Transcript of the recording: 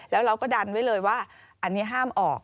แล้วเราก็ดันไว้เลยว่าอันนี้ห้ามออก